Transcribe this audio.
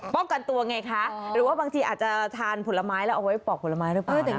ป้องกันตัวไงคะหรือว่าบางทีอาจจะทานผลไม้แล้วเอาไว้ปอกผลไม้หรือเปล่า